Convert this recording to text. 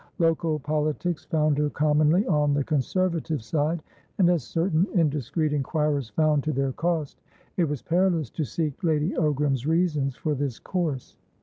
Local politics found her commonly on the Conservative side, and, as certain indiscreet inquirers found to their cost, it was perilous to seek Lady Ogram's reasons for this course.